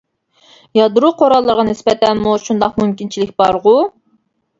يادرو قوراللىرىغا نىسبەتەنمۇ شۇنداق مۇمكىنچىلىك بارغۇ؟ .